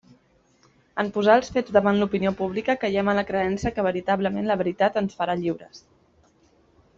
En posar els fets davant l'opinió pública caiem en la creença que veritablement «la veritat ens farà lliures».